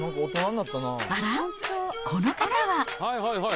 あらっ、この方は。